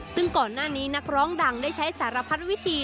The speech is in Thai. ซึ่งก่อนหน้านี้นักร้องดังได้ใช้สารพัดวิธี